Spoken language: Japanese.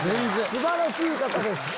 素晴らしい方です。